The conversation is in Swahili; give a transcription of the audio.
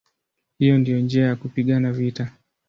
Hiyo ndiyo njia ya kupigana vita".